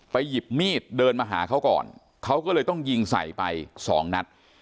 หยิบมีดเดินมาหาเขาก่อนเขาก็เลยต้องยิงใส่ไปสองนัด